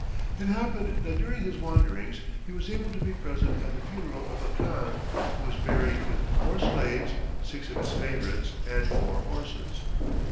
It happened that during his wanderings he was able to be present at the funeral of a khan, who was buried with four slaves, six of his favourites, and four horses.